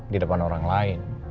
di depan orang lain